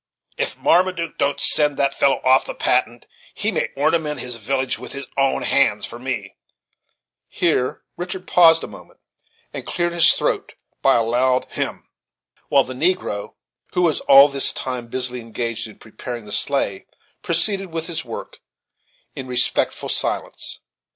If Marmaduke don't send that fellow off the Patent, he may ornament his village with his own hands for me," Here Richard paused a moment, and cleared his throat by a loud hem, while the negro, who was all this time busily engaged in preparing the sleigh, proceeded with his work in respectful silence.